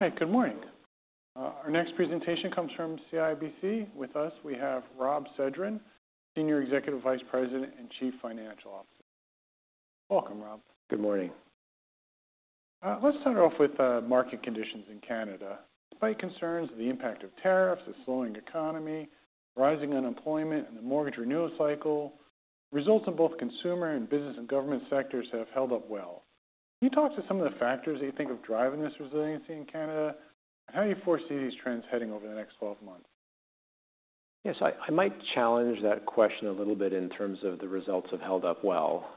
Good morning. Our next presentation comes from CIBC. With us, we have Rob Sedran, Senior Executive Vice President and Chief Financial Officer. Welcome, Rob. Good morning. Let's start off with market conditions in Canada. Despite concerns of the impact of tariffs, a slowing economy, rising unemployment, and the mortgage renewal cycle, results in both consumer and business and government sectors have held up well. Can you talk to some of the factors that you think are driving this resiliency in Canada? How do you foresee these trends heading over the next 12 months? Yes, I might challenge that question a little bit in terms of the results have held up well.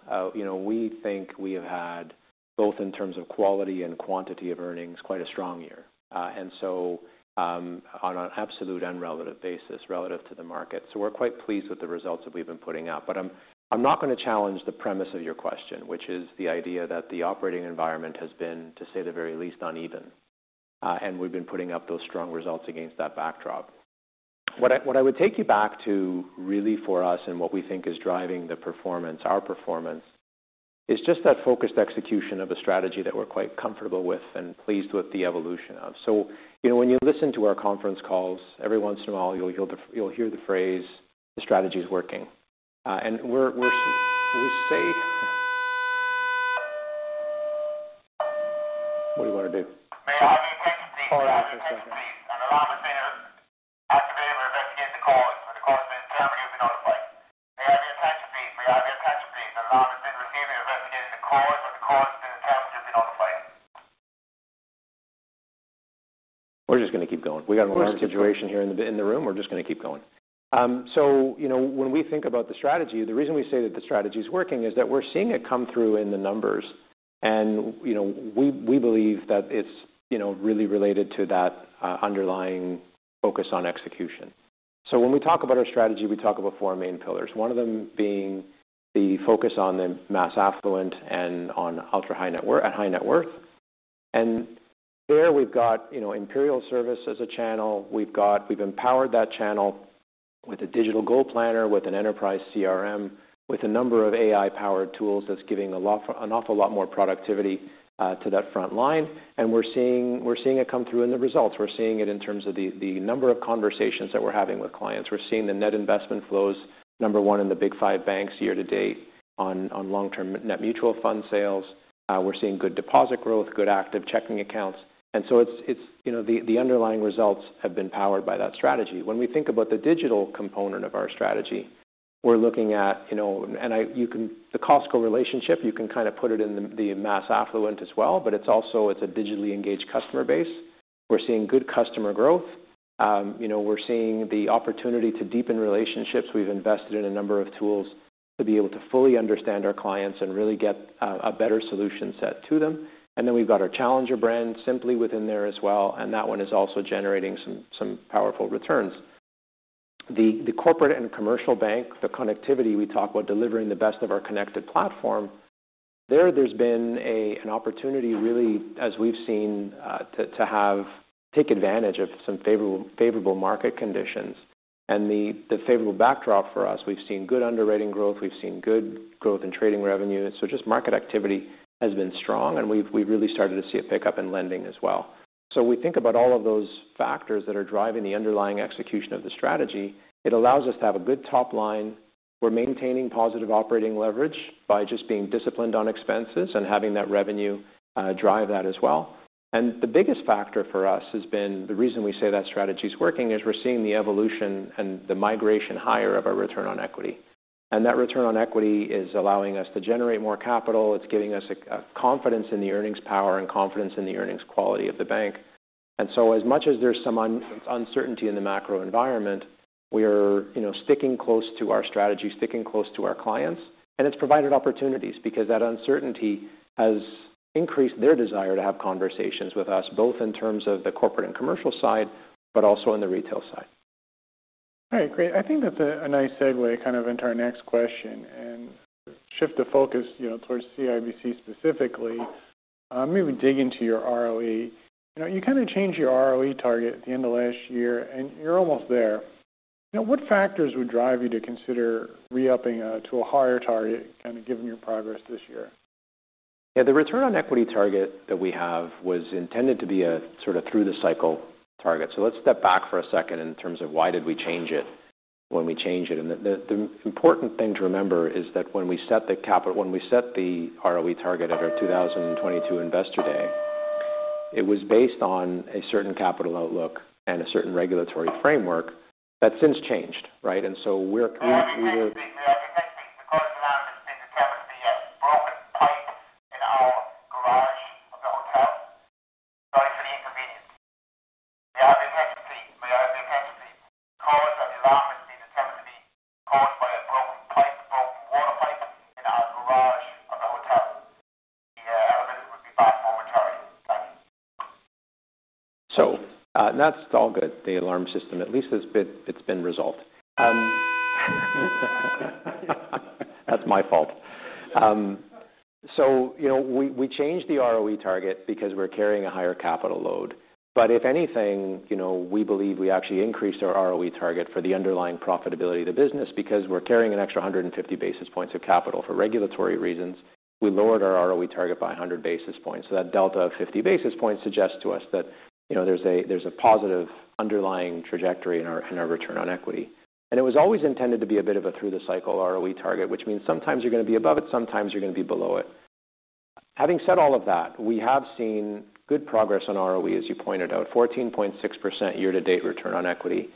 We think we have had, both in terms of quality and quantity of earnings, quite a strong year. On an absolute and relevant basis relative to the market, we're quite pleased with the results that we've been putting up. I'm not going to challenge the premise of your question, which is the idea that the operating environment has been, to say the very least, uneven. We've been putting up those strong results against that backdrop. What I would take you back to really for us and what we think is driving the performance, our performance, is just that focused execution of a strategy that we're quite comfortable with and pleased with the evolution of. When you listen to our conference calls, every once in a while, you'll hear the phrase, "The strategy is working." We say we're just going to keep going. We've got a learned situation here in the room. We're just going to keep going. When we think about the strategy, the reason we say that the strategy is working is that we're seeing it come through in the numbers. We believe that it's really related to that underlying focus on execution. When we talk about our strategy, we talk about four main pillars, one of them being the focus on the mass affluent and on ultra-high net worth and high net worth. There we've got Imperial Service as a channel. We've empowered that channel with a digital Goal Planner, with an enterprise CRM, with a number of AI-powered productivity tools that's giving an awful lot more productivity to that front line. We're seeing it come through in the results. We're seeing it in terms of the number of conversations that we're having with clients. We're seeing the net investment flows, number one in the big five banks year to date on long-term net mutual fund sales. We're seeing good deposit growth, good active checking accounts. The underlying results have been powered by that strategy. When we think about the digital component of our strategy, we're looking at, and the Costco relationship, you can kind of put it in the mass affluent as well, but it's also a digitally engaged customer base. We're seeing good customer growth. We're seeing the opportunity to deepen relationships. We've invested in a number of tools to be able to fully understand our clients and really get a better solution set to them. We've got our Challenger brand simply within there as well, and that one is also generating some powerful returns. The corporate and commercial bank, the connectivity we talk about delivering the best of our connected platform, there's been an opportunity really, as we've seen, to have taken advantage of some favorable market conditions. The favorable backdrop for us, we've seen good underwriting growth. We've seen good growth in trading revenue. Market activity has been strong, and we've really started to see a pickup in lending as well. We think about all of those factors that are driving the underlying execution of the strategy. It allows us to have a good top line. We're maintaining positive operating leverage by just being disciplined on expenses and having that revenue drive that as well. The biggest factor for us, the reason we say that strategy is working, is we're seeing the evolution and the migration higher of our return on equity. That return on equity is allowing us to generate more capital. It's giving us confidence in the earnings power and confidence in the earnings quality of the bank. As much as there's some uncertainty in the macro environment, we are sticking close to our strategy, sticking close to our clients. It's provided opportunities because that uncertainty has increased their desire to have conversations with us, both in terms of the corporate and commercial side, but also on the retail side. All right, great. I think that's a nice segue into our next question and shift the focus towards CIBC specifically. Maybe dig into your ROE. You kind of changed your ROE target at the end of last year and you're almost there. What factors would drive you to consider re-upping to a higher target, given your progress this year? Yeah, the return on equity target that we have was intended to be a sort of through-the-cycle target. Let's step back for a second in terms of why did we change it when we changed it. The important thing to remember is that when we set the capital, when we set the ROE target at our 2022 Investor Day, it was based on a certain capital outlook and a certain regulatory framework that's since changed, right? We're either... It has been the cause of the environment in the town to be a broken plate in our garage of the hotels. Sorry for the inconvenience. The cause of the environment in the town to be a broken plate, broken water pipes in our garage of the hotels. That's all good. The alarm system at least has been resolved. That's my fault. We changed the ROE target because we're carrying a higher capital load. If anything, we believe we actually increased our ROE target for the underlying profitability of the business because we're carrying an extra 150 basis points of capital for regulatory reasons. We lowered our ROE target by 100 basis points. That delta of 50 basis points suggests to us that there's a positive underlying trajectory in our return on equity. It was always intended to be a bit of a through-the-cycle ROE target, which means sometimes you're going to be above it, sometimes you're going to be below it. Having said all of that, we have seen good progress on ROE, as you pointed out, 14.6% year-to-date return on equity.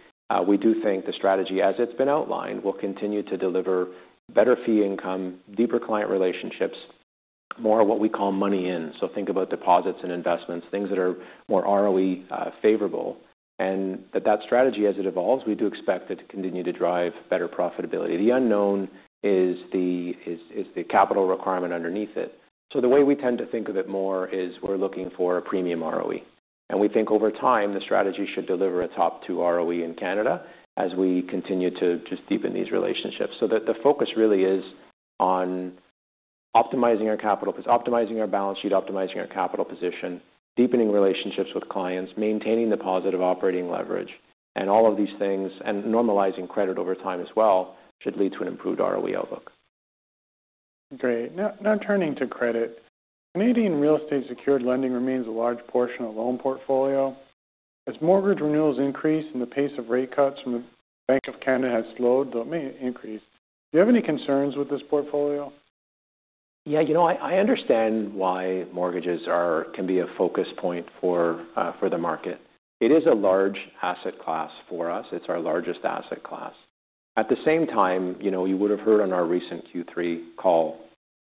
We do think the strategy, as it's been outlined, will continue to deliver better fee income, deeper client relationships, more of what we call money in. Think about deposits and investments, things that are more ROE favorable. That strategy, as it evolves, we do expect it to continue to drive better profitability. The unknown is the capital requirement underneath it. The way we tend to think of it more is we're looking for a premium ROE. We think over time, the strategy should deliver a top two ROE in Canada as we continue to just deepen these relationships. The focus really is on optimizing our capital, optimizing our balance sheet, optimizing our capital position, deepening relationships with clients, maintaining the positive operating leverage, and all of these things, and normalizing credit over time as well, should lead to an improved ROE outlook. Great. Now turning to credit, Canadian real estate secured lending remains a large portion of the loan portfolio. As mortgage renewals increase and the pace of rate cuts from the Bank of Canada has slowed, though it may increase, do you have any concerns with this portfolio? Yeah, you know, I understand why mortgages can be a focus point for the market. It is a large asset class for us. It's our largest asset class. At the same time, you know, you would have heard on our recent Q3 call,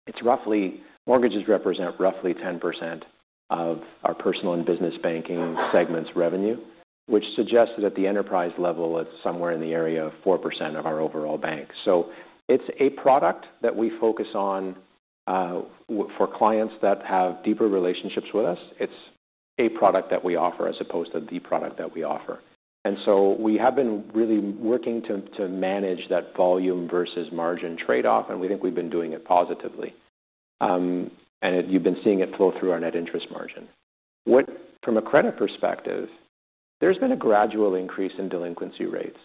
it's roughly, mortgages represent roughly 10% of our Personal and Business Banking segment's revenue, which suggests that at the enterprise level, it's somewhere in the area of 4% of our overall bank. It's a product that we focus on for clients that have deeper relationships with us. It's a product that we offer as opposed to the product that we offer. We have been really working to manage that volume versus margin trade-off, and we think we've been doing it positively. You've been seeing it flow through our net interest margin. From a credit perspective, there's been a gradual increase in delinquency rates.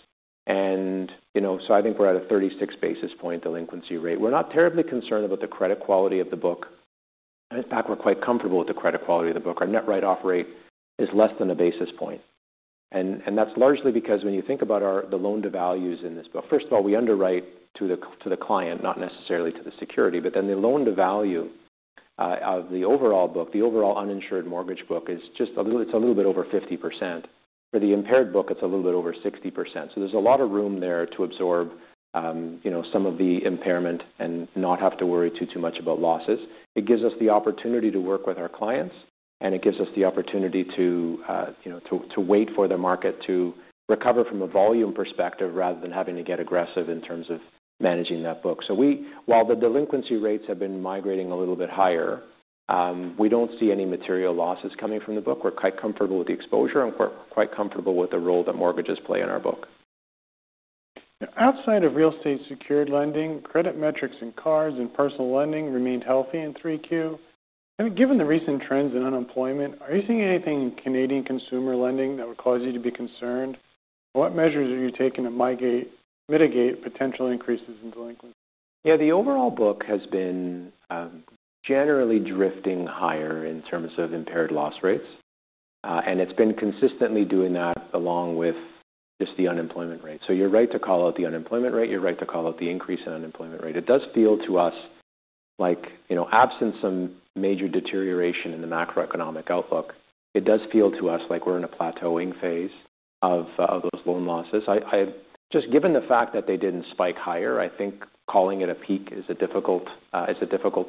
I think we're at a 36 basis point delinquency rate. We're not terribly concerned about the credit quality of the book. In fact, we're quite comfortable with the credit quality of the book. Our net write-off rate is less than a basis point, and that's largely because when you think about the loan-to-value ratios in this book, first of all, we underwrite to the client, not necessarily to the security, but then the loan-to-value of the overall book, the overall uninsured mortgage book is just a little, it's a little bit over 50%. For the impaired book, it's a little bit over 60%. There's a lot of room there to absorb some of the impairment and not have to worry too, too much about losses. It gives us the opportunity to work with our clients, and it gives us the opportunity to wait for the market to recover from a volume perspective rather than having to get aggressive in terms of managing that book. While the delinquency rates have been migrating a little bit higher, we don't see any material losses coming from the book. We're quite comfortable with the exposure and quite comfortable with the role that mortgages play in our book. Outside of real estate secured lending, credit metrics in cars and personal lending remained healthy in 3Q. Given the recent trends in unemployment, are you seeing anything in Canadian consumer lending that would cause you to be concerned? What measures are you taking to mitigate potential increases in delinquency? Yeah, the overall book has been generally drifting higher in terms of impaired loss rates. It's been consistently doing that along with just the unemployment rate. You're right to call out the unemployment rate. You're right to call out the increase in unemployment rate. It does feel to us like, absent some major deterioration in the macroeconomic outlook, it does feel to us like we're in a plateauing phase of those loan losses. Just given the fact that they didn't spike higher, I think calling it a peak is a difficult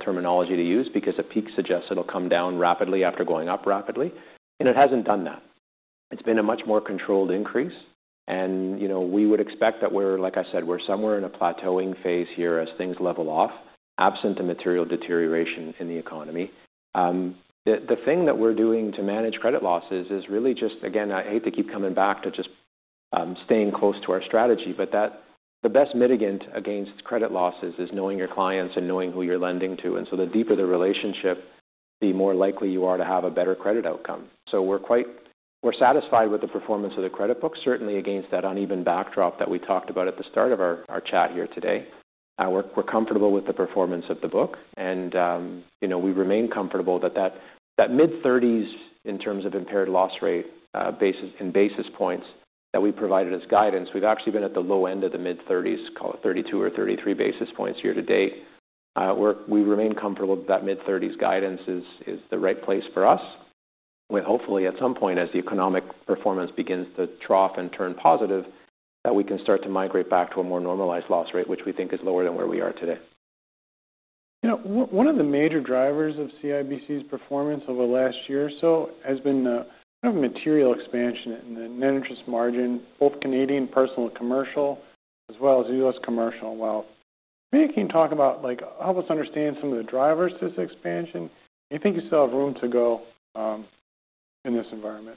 terminology to use because a peak suggests it'll come down rapidly after going up rapidly. It hasn't done that. It's been a much more controlled increase. We would expect that we're, like I said, we're somewhere in a plateauing phase here as things level off, absent the material deterioration in the economy. The thing that we're doing to manage credit losses is really just, again, I hate to keep coming back to just staying close to our strategy, but the best mitigant against credit losses is knowing your clients and knowing who you're lending to. The deeper the relationship, the more likely you are to have a better credit outcome. We're satisfied with the performance of the credit book, certainly against that uneven backdrop that we talked about at the start of our chat here today. We're comfortable with the performance of the book. We remain comfortable that that mid-30s in terms of impaired loss rate in basis points that we provided as guidance, we've actually been at the low end of the mid-30s, call it 32 or 33 basis points year to date. We remain comfortable that that mid-30s guidance is the right place for us. Hopefully, at some point, as the economic performance begins to trough and turn positive, we can start to migrate back to a more normalized loss rate, which we think is lower than where we are today. You know, one of the major drivers of CIBC's performance over the last year or so has been the kind of material expansion in the net interest margin, both Canadian personal and commercial, as well as U.S. commercial. Maybe you can talk about, like, help us understand some of the drivers to this expansion. Do you think you still have room to go in this environment?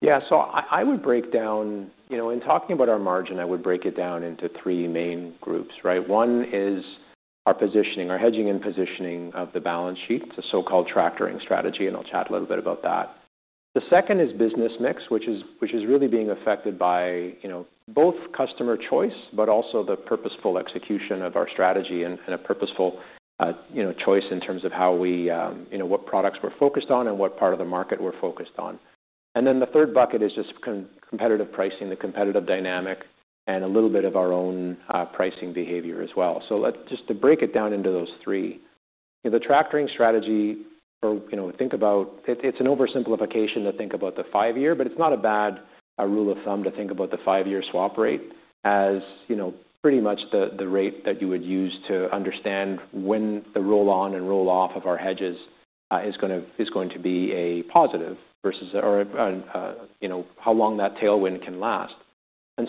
Yeah, I would break down, you know, in talking about our margin, I would break it down into three main groups, right? One is our positioning, our hedging and positioning of the balance sheet. It's a so-called tractoring strategy, and I'll chat a little bit about that. The second is business mix, which is really being affected by, you know, both customer choice, but also the purposeful execution of our strategy and a purposeful, you know, choice in terms of how we, you know, what products we're focused on and what part of the market we're focused on. The third bucket is just competitive pricing, the competitive dynamic, and a little bit of our own pricing behavior as well. Just to break it down into those three, you know, the tractoring strategy, or, you know, think about, it's an oversimplification to think about the five-year, but it's not a bad rule of thumb to think about the five-year swap rate as, you know, pretty much the rate that you would use to understand when the roll-on and roll-off of our hedges is going to be a positive versus, or, you know, how long that tailwind can last.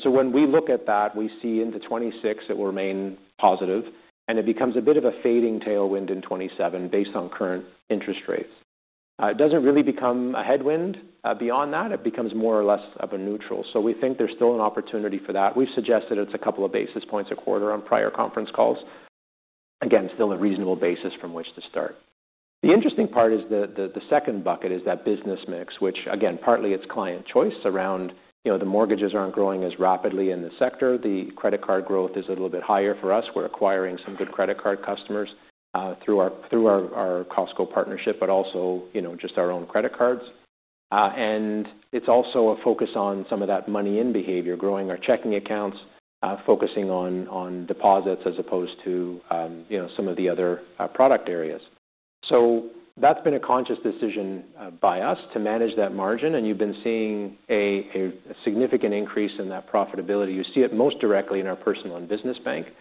When we look at that, we see into 2026, it will remain positive. It becomes a bit of a fading tailwind in 2027 based on current interest rates. It doesn't really become a headwind. Beyond that, it becomes more or less of a neutral. We think there's still an opportunity for that. We've suggested it's a couple of basis points a quarter on prior conference calls. Again, still a reasonable basis from which to start. The interesting part is the second bucket is that business mix, which, again, partly it's client choice around, you know, the mortgages aren't growing as rapidly in the sector. The credit card growth is a little bit higher for us. We're acquiring some good credit card customers through our Costco partnership, but also, you know, just our own credit cards. It's also a focus on some of that money-in behavior, growing our checking accounts, focusing on deposits as opposed to, you know, some of the other product areas. That's been a conscious decision by us to manage that margin. You've been seeing a significant increase in that profitability. You see it most directly in our Personal and Business Banking,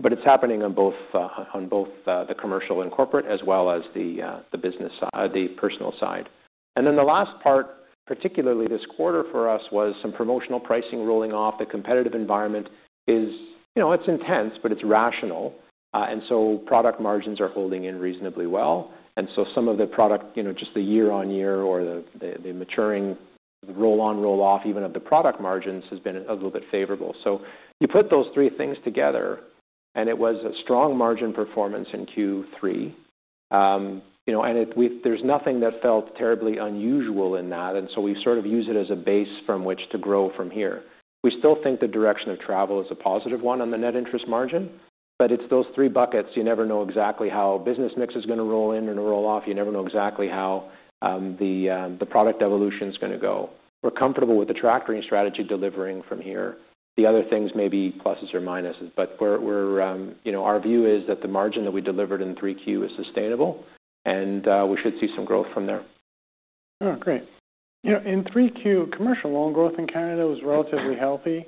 but it's happening on both the Commercial and Corporate, as well as the business side, the personal side. The last part, particularly this quarter for us, was some promotional pricing rolling off. The competitive environment is, you know, it's intense, but it's rational. Product margins are holding in reasonably well, and just the year-on-year or the maturing roll-on, roll-off, even of the product margins, has been a little bit favorable. You put those three things together, and it was a strong margin performance in Q3. There's nothing that felt terribly unusual in that. We've sort of used it as a base from which to grow from here. We still think the direction of travel is a positive one on the net interest margin. It's those three buckets. You never know exactly how business mix is going to roll in and roll off. You never know exactly how the product evolution is going to go. We're comfortable with the tractoring strategy delivering from here. The other things may be pluses or minuses, but our view is that the margin that we delivered in Q3 is sustainable, and we should see some growth from there. All right, great. You know, in 3Q, commercial loan growth in Canada was relatively healthy.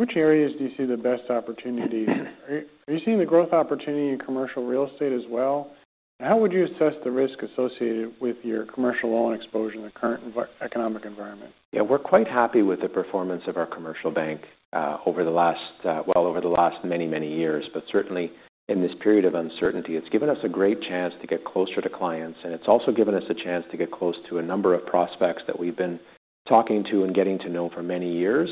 Which areas do you see the best opportunities? Are you seeing the growth opportunity in commercial real estate as well? How would you assess the risk associated with your commercial loan exposure in the current economic environment? Yeah, we're quite happy with the performance of our commercial bank over the last, well, over the last many, many years. Certainly in this period of uncertainty, it's given us a great chance to get closer to clients. It's also given us a chance to get close to a number of prospects that we've been talking to and getting to know for many years.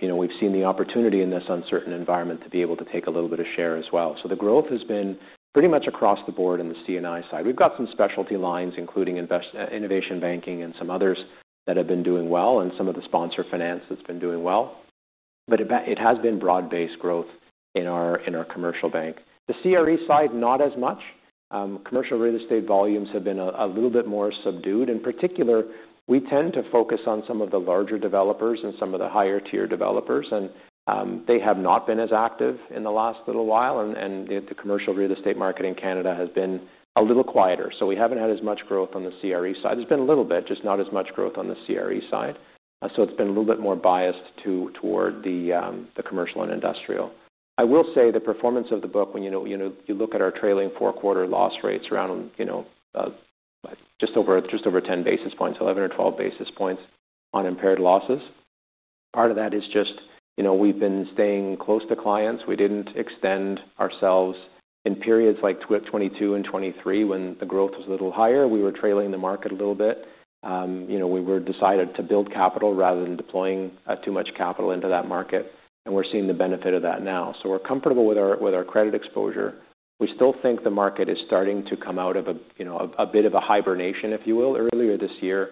We've seen the opportunity in this uncertain environment to be able to take a little bit of share as well. The growth has been pretty much across the board in the C&I side. We've got some specialty lines, including innovation banking and some others that have been doing well, and some of the sponsor finance that's been doing well. It has been broad-based growth in our commercial bank. The CRE side, not as much. Commercial real estate volumes have been a little bit more subdued. In particular, we tend to focus on some of the larger developers and some of the higher-tier developers. They have not been as active in the last little while. The commercial real estate market in Canada has been a little quieter. We haven't had as much growth on the CRE side. There's been a little bit, just not as much growth on the CRE side. It's been a little bit more biased toward the commercial and industrial. I will say the performance of the book, when you look at our trailing four-quarter loss rates around just over 10 basis points, 11 or 12 basis points on impaired losses. Part of that is just we've been staying close to clients. We didn't extend ourselves in periods like 2022 and 2023 when the growth was a little higher. We were trailing the market a little bit. We decided to build capital rather than deploying too much capital into that market. We're seeing the benefit of that now. We're comfortable with our credit exposure. We still think the market is starting to come out of a bit of a hibernation, if you will, earlier this year,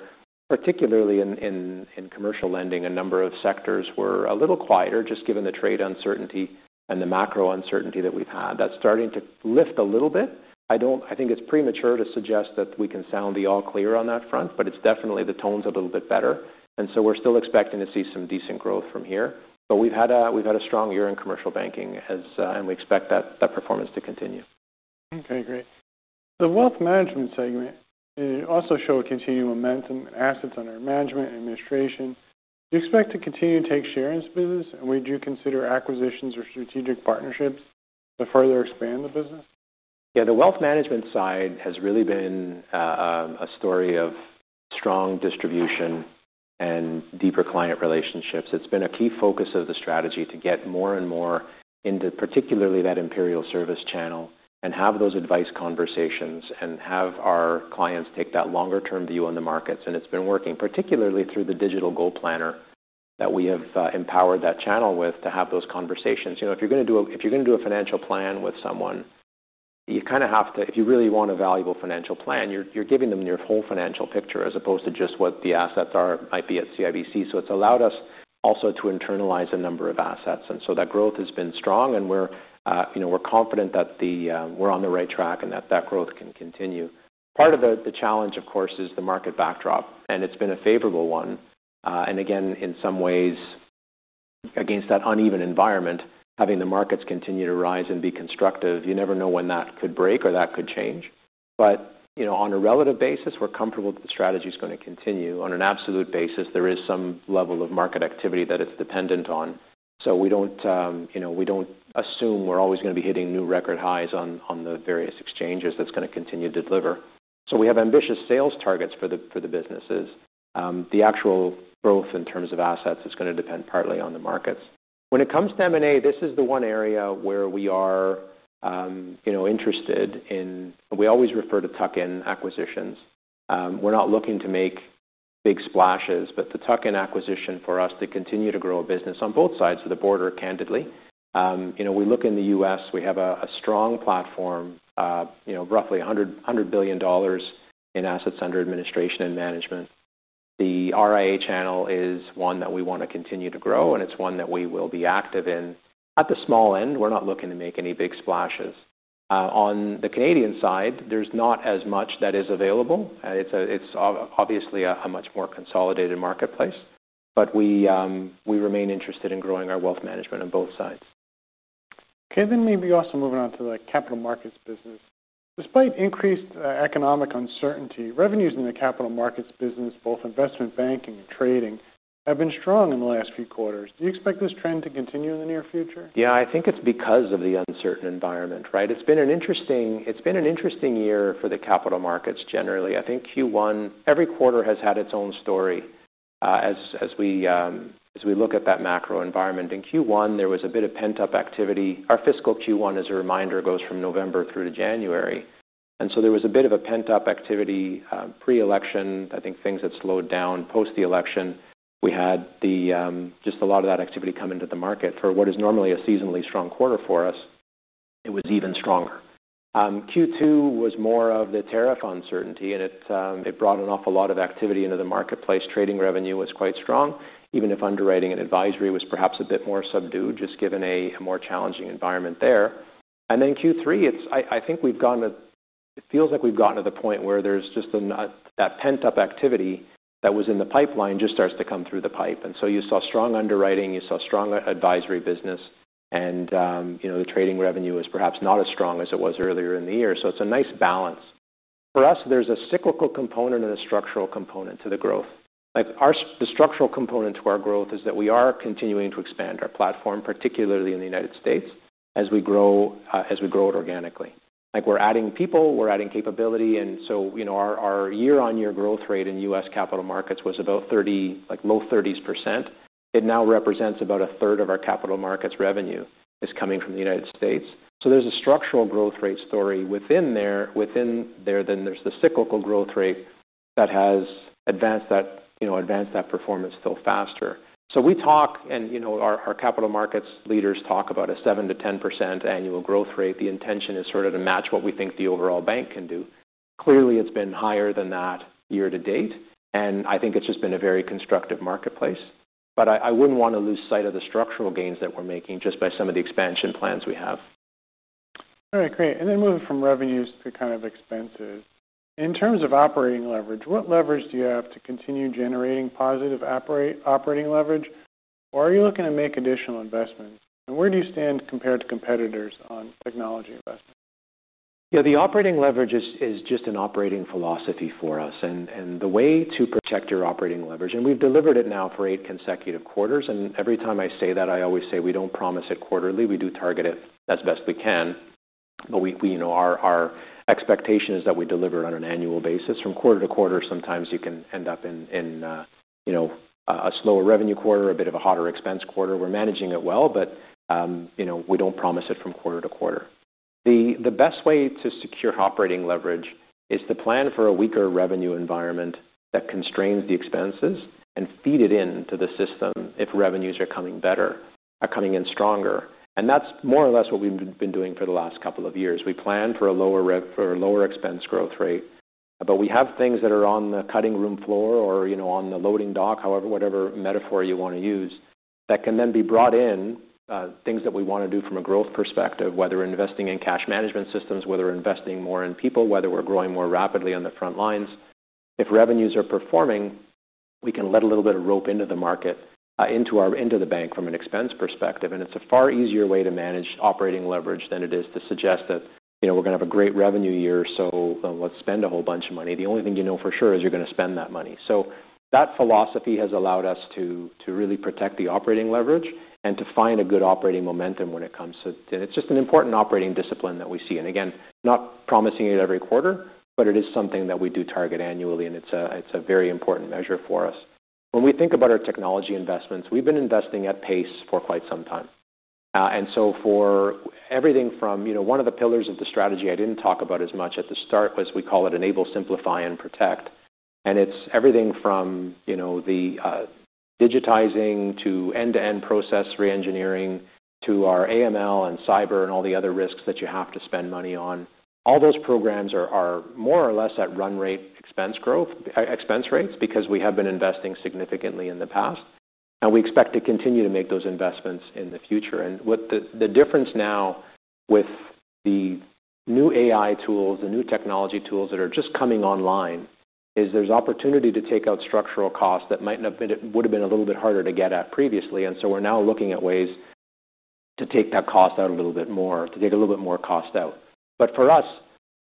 particularly in commercial lending. A number of sectors were a little quieter, just given the trade uncertainty and the macro uncertainty that we've had. That's starting to lift a little bit. I think it's premature to suggest that we can sound the all-clear on that front, but definitely the tones are a little bit better. We're still expecting to see some decent growth from here. We've had a strong year in commercial banking, and we expect that performance to continue. Okay, great. The wealth management segment also showed continued momentum in assets under management and administration. Do you expect to continue to take share in this business, and would you consider acquisitions or strategic partnerships to further expand the business? Yeah, the wealth management side has really been a story of strong distribution and deeper client relationships. It's been a key focus of the strategy to get more and more into particularly that Imperial Service channel and have those advice conversations and have our clients take that longer-term view on the markets. It's been working particularly through the digital Goal Planner that we have empowered that channel with to have those conversations. If you're going to do a financial plan with someone, you kind of have to, if you really want a valuable financial plan, you're giving them your whole financial picture as opposed to just what the assets are, might be at CIBC. It's allowed us also to internalize a number of assets, and that growth has been strong. We're confident that we're on the right track and that that growth can continue. Part of the challenge, of course, is the market backdrop. It's been a favorable one. Again, in some ways, against that uneven environment, having the markets continue to rise and be constructive, you never know when that could break or that could change. On a relative basis, we're comfortable that the strategy is going to continue. On an absolute basis, there is some level of market activity that it's dependent on. We don't assume we're always going to be hitting new record highs on the various exchanges that's going to continue to deliver. We have ambitious sales targets for the businesses. The actual growth in terms of assets is going to depend partly on the markets. When it comes to M&A, this is the one area where we are interested in, we always refer to tuck-in acquisitions. We're not looking to make big splashes, but the tuck-in acquisition for us to continue to grow a business on both sides of the border, candidly. We look in the U.S., we have a strong platform, roughly $100 billion in assets under administration and management. The RIA channel is one that we want to continue to grow, and it's one that we will be active in at the small end. We're not looking to make any big splashes. On the Canadian side, there's not as much that is available. It's obviously a much more consolidated marketplace. We remain interested in growing our wealth management on both sides. Okay, then maybe also moving on to the capital markets business. Despite increased economic uncertainty, revenues in the capital markets business, both investment banking and trading, have been strong in the last few quarters. Do you expect this trend to continue in the near future? Yeah, I think it's because of the uncertain environment, right? It's been an interesting year for the capital markets generally. I think Q1, every quarter has had its own story as we look at that macro environment. In Q1, there was a bit of pent-up activity. Our fiscal Q1, as a reminder, goes from November through to January. There was a bit of a pent-up activity pre-election. I think things had slowed down post the election. We had just a lot of that activity come into the market for what is normally a seasonally strong quarter for us. It was even stronger. Q2 was more of the tariff uncertainty, and it brought an awful lot of activity into the marketplace. Trading revenue was quite strong, even if underwriting and advisory was perhaps a bit more subdued, just given a more challenging environment there. In Q3, I think we've gotten, it feels like we've gotten to the point where there's just that pent-up activity that was in the pipeline just starts to come through the pipe. You saw strong underwriting, you saw strong advisory business, and the trading revenue is perhaps not as strong as it was earlier in the year. It's a nice balance. For us, there's a cyclical component and a structural component to the growth. The structural component to our growth is that we are continuing to expand our platform, particularly in the United States, as we grow it organically. We're adding people, we're adding capability. Our year-on-year growth rate in U.S. capital markets was about 30%, like low 30%. It now represents about a third of our capital markets revenue is coming from the United States. There's a structural growth rate story within there. There's the cyclical growth rate that has advanced that performance still faster. We talk, and our capital markets leaders talk about a 7%-10% annual growth rate. The intention is sort of to match what we think the overall bank can do. Clearly, it's been higher than that year to date. I think it's just been a very constructive marketplace. I wouldn't want to lose sight of the structural gains that we're making just by some of the expansion plans we have. All right, great. Moving from revenues to kind of expenses, in terms of operating leverage, what leverage do you have to continue generating positive operating leverage? Are you looking to make additional investments? Where do you stand compared to competitors on technology investing? Yeah, the operating leverage is just an operating philosophy for us. The way to protect your operating leverage, and we've delivered it now for eight consecutive quarters. Every time I say that, I always say we don't promise it quarterly. We do target it as best we can. Our expectation is that we deliver it on an annual basis. From quarter to quarter, sometimes you can end up in a slower revenue quarter, a bit of a hotter expense quarter. We're managing it well, but we don't promise it from quarter to quarter. The best way to secure operating leverage is to plan for a weaker revenue environment that constrains the expenses and feed it into the system if revenues are coming better, are coming in stronger. That's more or less what we've been doing for the last couple of years. We plan for a lower expense growth rate. We have things that are on the cutting room floor or on the loading dock, whatever metaphor you want to use, that can then be brought in, things that we want to do from a growth perspective, whether investing in cash management systems, whether investing more in people, whether we're growing more rapidly on the front lines. If revenues are performing, we can let a little bit of rope into the market, into the bank from an expense perspective. It's a far easier way to manage operating leverage than it is to suggest that we're going to have a great revenue year, so let's spend a whole bunch of money. The only thing you know for sure is you're going to spend that money. That philosophy has allowed us to really protect the operating leverage and to find a good operating momentum when it comes to, it's just an important operating discipline that we see. Again, not promising it every quarter, but it is something that we do target annually. It's a very important measure for us. When we think about our technology investments, we've been investing at pace for quite some time. For everything from one of the pillars of the strategy I didn't talk about as much at the start was we call it Enable, Simplify, and Protect. It's everything from the digitizing to end-to-end process re-engineering to our AML and cyber and all the other risks that you have to spend money on. All those programs are more or less at run rate expense growth, expense rates because we have been investing significantly in the past. We expect to continue to make those investments in the future. The difference now with the new AI-powered productivity tools, the new technology tools that are just coming online, is there's opportunity to take out structural costs that might have been a little bit harder to get at previously. We're now looking at ways to take that cost out a little bit more, to take a little bit more cost out. For us,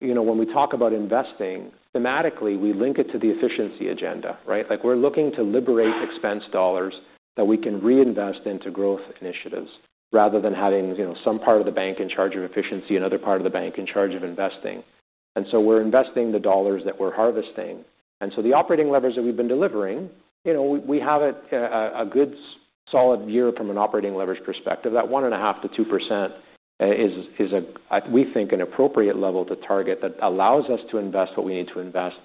when we talk about investing thematically, we link it to the efficiency agenda, right? We're looking to liberate expense dollars that we can reinvest into growth initiatives rather than having some part of the bank in charge of efficiency and another part of the bank in charge of investing. We're investing the dollars that we're harvesting. The operating levers that we've been delivering, we have a good solid year from an operating leverage perspective. That 1.5%-2% is, we think, an appropriate level to target that allows us to invest what we need to invest,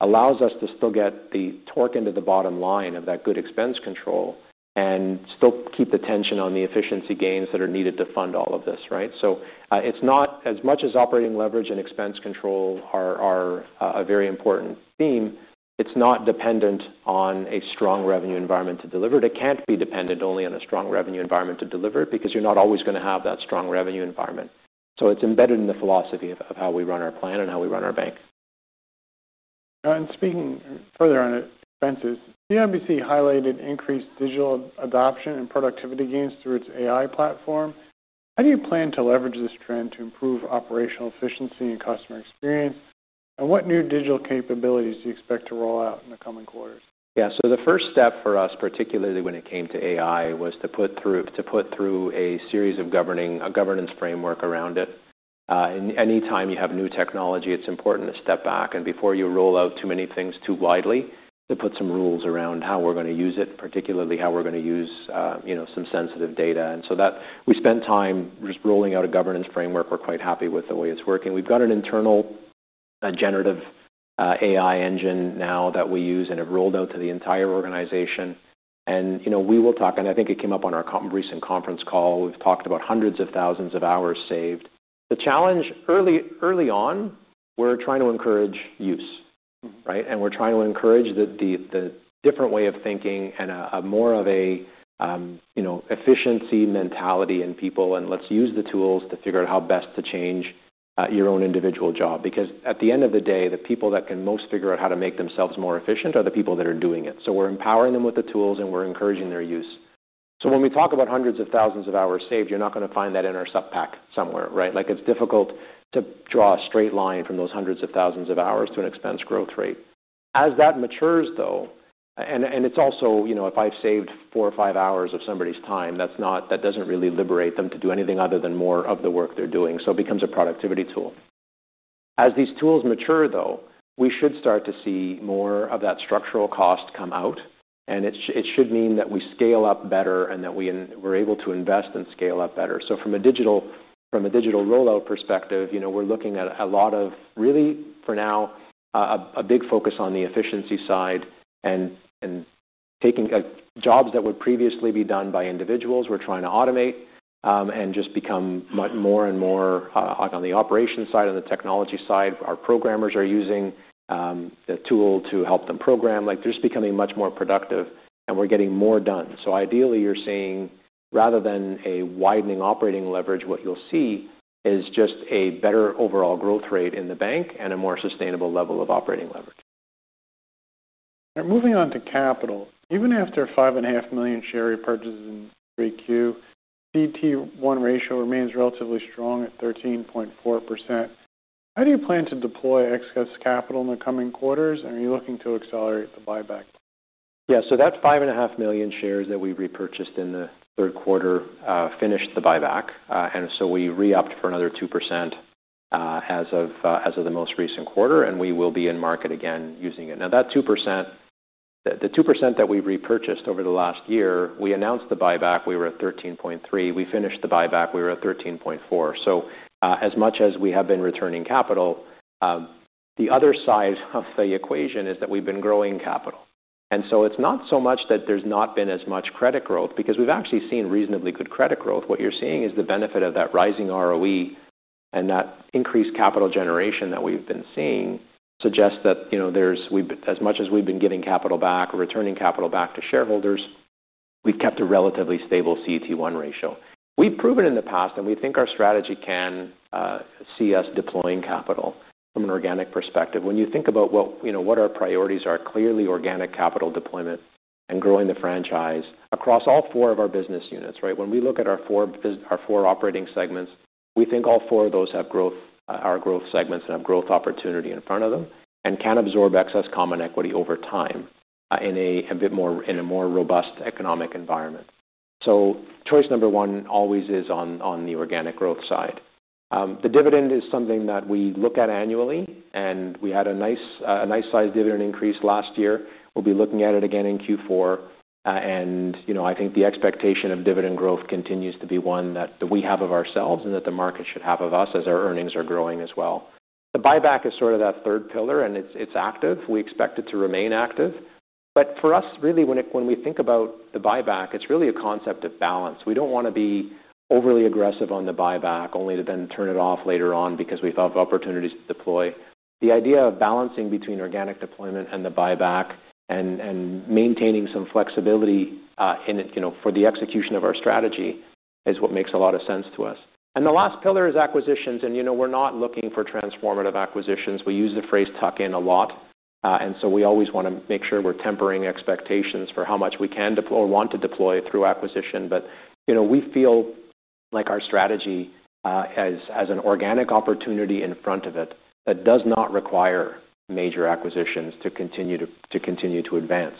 allows us to still get the torque into the bottom line of that good expense control, and still keep the tension on the efficiency gains that are needed to fund all of this, right? As much as operating leverage and expense control are a very important theme, it's not dependent on a strong revenue environment to deliver it. It can't be dependent only on a strong revenue environment to deliver it because you're not always going to have that strong revenue environment. It's embedded in the philosophy of how we run our plan and how we run our bank. Speaking further on expenses, CIBC highlighted increased digital adoption and productivity gains through its AI platform. How do you plan to leverage this trend to improve operational efficiency and customer experience? What new digital capabilities do you expect to roll out in the coming quarters? Yeah, the first step for us, particularly when it came to AI, was to put through a series of governance frameworks around it. Anytime you have new technology, it's important to step back. Before you roll out too many things too widely, you need to put some rules around how we're going to use it, particularly how we're going to use, you know, some sensitive data. We spent time rolling out a governance framework. We're quite happy with the way it's working. We've got an internal generative AI engine now that we use and have rolled out to the entire organization. I think it came up on our recent conference call, we've talked about hundreds of thousands of hours saved. The challenge early on is we're trying to encourage use, right? We're trying to encourage a different way of thinking and more of an efficiency mentality in people. Let's use the tools to figure out how best to change your own individual job. At the end of the day, the people that can most figure out how to make themselves more efficient are the people that are doing it. We're empowering them with the tools and we're encouraging their use. When we talk about hundreds of thousands of hours saved, you're not going to find that in our subpack somewhere, right? It's difficult to draw a straight line from those hundreds of thousands of hours to an expense growth rate. As that matures, though, if I've saved four or five hours of somebody's time, that doesn't really liberate them to do anything other than more of the work they're doing. It becomes a productivity tool. As these tools mature, we should start to see more of that structural cost come out. It should mean that we scale up better and that we're able to invest and scale up better. From a digital rollout perspective, we're looking at a lot of really, for now, a big focus on the efficiency side and taking jobs that would previously be done by individuals, we're trying to automate and just become more and more on the operation side, on the technology side. Our programmers are using the tool to help them program. They're just becoming much more productive and we're getting more done. Ideally, you're seeing, rather than a widening operating leverage, what you'll see is just a better overall growth rate in the bank and a more sustainable level of operating leverage. Moving on to capital, even after 5.5 million share repurchases in 3Q, CET1 ratio remains relatively strong at 13.4%. How do you plan to deploy excess capital in the coming quarters? Are you looking to accelerate the buyback? Yeah, so that's 5.5 million shares that we repurchased in the third quarter, finished the buyback. We re-upped for another 2% as of the most recent quarter, and we will be in market again using it. Now that 2%, the 2% that we repurchased over the last year, we announced the buyback, we were at 13.3%. We finished the buyback, we were at 13.4%. As much as we have been returning capital, the other side of the equation is that we've been growing capital. It's not so much that there's not been as much credit growth because we've actually seen reasonably good credit growth. What you're seeing is the benefit of that rising ROE and that increased capital generation that we've been seeing suggests that, you know, as much as we've been getting capital back or returning capital back to shareholders, we've kept a relatively stable CET1 ratio. We've proven in the past, and we think our strategy can see us deploying capital from an organic perspective. When you think about what our priorities are, clearly organic capital deployment and growing the franchise across all four of our business units, right? When we look at our four operating segments, we think all four of those have growth, our growth segments that have growth opportunity in front of them and can absorb excess common equity over time in a more robust economic environment. Choice number one always is on the organic growth side. The dividend is something that we look at annually. We had a nice size dividend increase last year. We'll be looking at it again in Q4. I think the expectation of dividend growth continues to be one that we have of ourselves and that the market should have of us as our earnings are growing as well. The buyback is sort of that third pillar, and it's active. We expect it to remain active. For us, really, when we think about the buyback, it's really a concept of balance. We don't want to be overly aggressive on the buyback only to then turn it off later on because we thought of opportunities to deploy. The idea of balancing between organic deployment and the buyback and maintaining some flexibility in it for the execution of our strategy is what makes a lot of sense to us. The last pillar is acquisitions. We're not looking for transformative acquisitions. We use the phrase tuck-in a lot. We always want to make sure we're tempering expectations for how much we can deploy or want to deploy through acquisition. We feel like our strategy has an organic opportunity in front of it that does not require major acquisitions to continue to advance.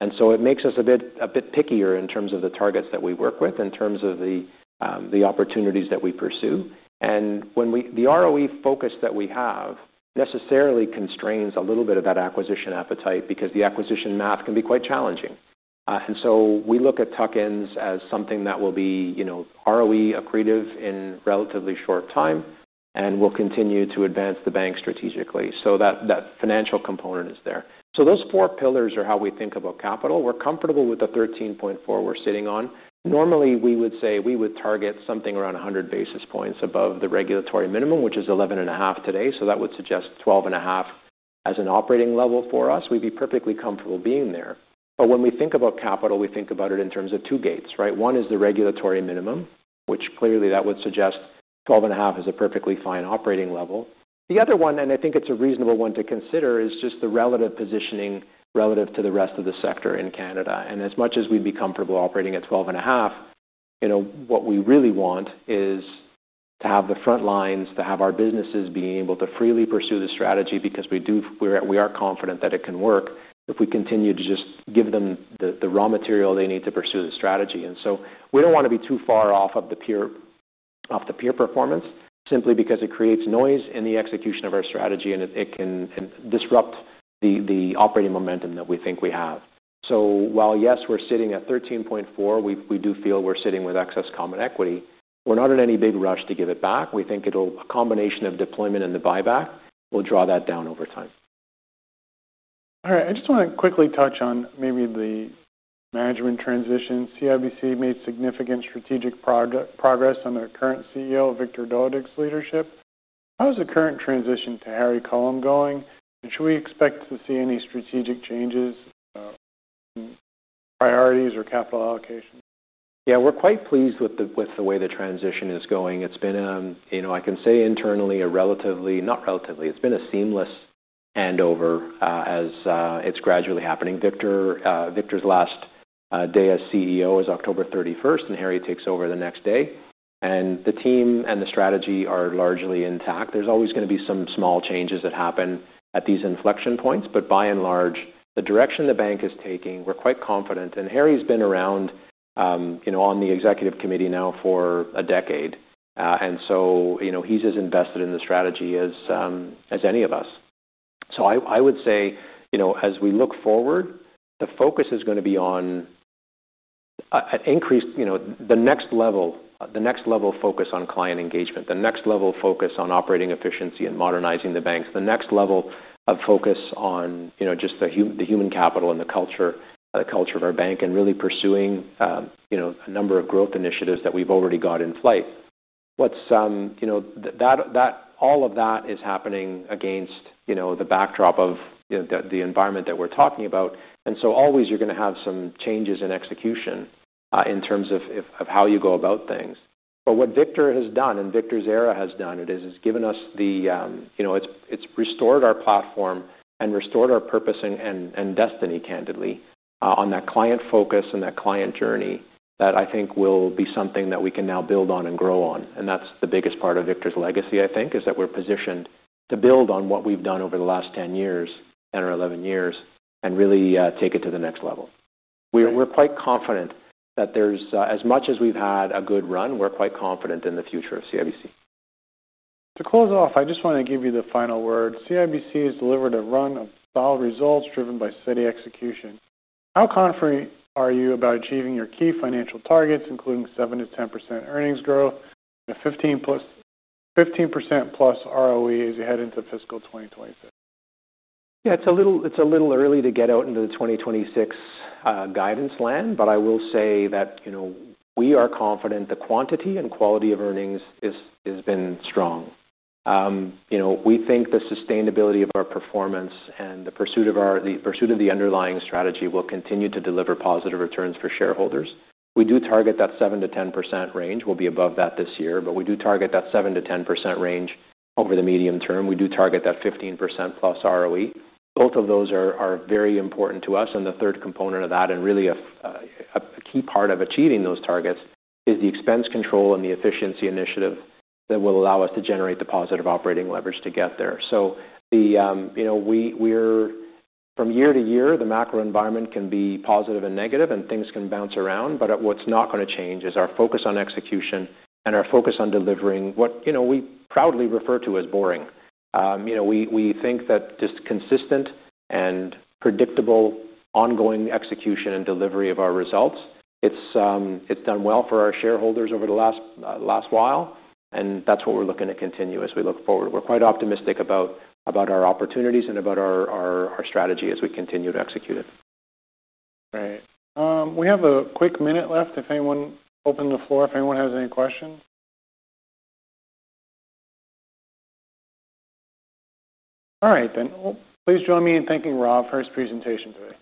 It makes us a bit pickier in terms of the targets that we work with, in terms of the opportunities that we pursue. The ROE focus that we have necessarily constrains a little bit of that acquisition appetite because the acquisition math can be quite challenging. We look at tuck-ins as something that will be ROE accretive in relatively short time and will continue to advance the bank strategically. That financial component is there. Those four pillars are how we think about capital. We're comfortable with the 13.4% we're sitting on. Normally, we would say we would target something around 100 basis points above the regulatory minimum, which is 11.5% today. That would suggest 12.5% as an operating level for us. We'd be perfectly comfortable being there. When we think about capital, we think about it in terms of two gates, right? One is the regulatory minimum, which clearly that would suggest 12.5% is a perfectly fine operating level. The other one, and I think it's a reasonable one to consider, is just the relative positioning relative to the rest of the sector in Canada. As much as we'd be comfortable operating at 12.5%, what we really want is to have the front lines, to have our businesses being able to freely pursue the strategy because we do, we are confident that it can work if we continue to just give them the raw material they need to pursue the strategy. We don't want to be too far off of the peer performance simply because it creates noise in the execution of our strategy and it can disrupt the operating momentum that we think we have. While yes, we're sitting at 13.4%, we do feel we're sitting with excess common equity. We're not in any big rush to give it back. We think a combination of deployment and the buyback will draw that down over time. All right, I just want to quickly touch on maybe the management transition. CIBC made significant strategic progress under current CEO Victor Dodig's leadership. How is the current transition to Harry Culham going? Should we expect to see any strategic changes, priorities, or capital allocation? Yeah, we're quite pleased with the way the transition is going. It's been, you know, I can say internally a relatively, not relatively, it's been a seamless handover as it's gradually happening. Victor's last day as CEO is October 31st, and Harry takes over the next day. The team and the strategy are largely intact. There's always going to be some small changes that happen at these inflection points. By and large, the direction the bank is taking, we're quite confident. Harry's been around, you know, on the Executive Committee now for a decade, and so, you know, he's as invested in the strategy as any of us. I would say, you know, as we look forward, the focus is going to be on an increased, you know, the next level, the next level focus on client engagement, the next level focus on operating efficiency and modernizing the bank, the next level of focus on, you know, just the human capital and the culture, the culture of our bank, and really pursuing, you know, a number of growth initiatives that we've already got in flight. All of that is happening against, you know, the backdrop of the environment that we're talking about. Always you're going to have some changes in execution in terms of how you go about things. What Victor has done and Victor's era has done, it has given us the, you know, it's restored our platform and restored our purpose and destiny, candidly, on that client focus and that client journey that I think will be something that we can now build on and grow on. That's the biggest part of Victor's legacy, I think, is that we're positioned to build on what we've done over the last 10 years and or 11 years and really take it to the next level. We're quite confident that there's, as much as we've had a good run, we're quite confident in the future of CIBC. To close off, I just want to give you the final word. CIBC has delivered a run of solid results, driven by steady execution. How confident are you about achieving your key financial targets, including 7%-10% earnings growth and a 15%+ ROE as you head into fiscal 2026? Yeah, it's a little early to get out into the 2026 guidance land, but I will say that we are confident the quantity and quality of earnings has been strong. We think the sustainability of our performance and the pursuit of the underlying strategy will continue to deliver positive returns for shareholders. We do target that 7%-10% range. We'll be above that this year, but we do target that 7%-10% range over the medium term. We do target that 15%+ ROE. Both of those are very important to us. The third component of that, and really a key part of achieving those targets, is the expense control and the efficiency initiative that will allow us to generate the positive operating leverage to get there. From year to year, the macroeconomic environment can be positive and negative, and things can bounce around. What's not going to change is our focus on execution and our focus on delivering what we proudly refer to as boring. We think that just consistent and predictable ongoing execution and delivery of our results, it's done well for our shareholders over the last while. That's what we're looking to continue as we look forward. We're quite optimistic about our opportunities and about our strategy as we continue to execute it. Right. We have a quick minute left. I'll open the floor if anyone has any questions. All right, then please join me in thanking Rob for his presentation today.